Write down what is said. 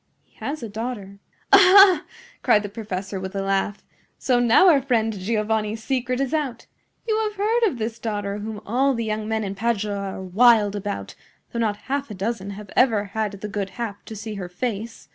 He has a daughter." "Aha!" cried the professor, with a laugh. "So now our friend Giovanni's secret is out. You have heard of this daughter, whom all the young men in Padua are wild about, though not half a dozen have ever had the good hap to see her face.